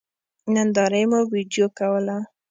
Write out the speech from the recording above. نندارې مو وېډيو کوله.